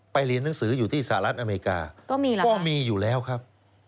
ไปเรียนหนังสืออยู่ที่สหรัฐอเมริกาก็มีอยู่แล้วครับ